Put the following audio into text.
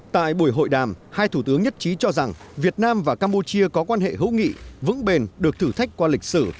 tại buổi hội đàm hai thủ tướng nhất trí cho rằng việt nam và campuchia có quan hệ hữu nghị vững bền được thử thách qua lịch sử